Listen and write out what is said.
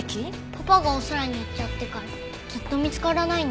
パパがお空に行っちゃってからずっと見つからないんだ。